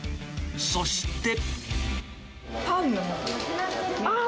そして。